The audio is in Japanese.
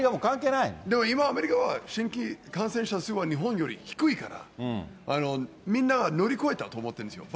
でも今、アメリカは新規感染者数は、日本より低いから、みんな乗り越えたと思ってるんですよ。